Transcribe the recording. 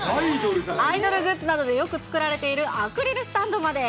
アイドルグッズなどでよく作られているアクリルスタンドまで。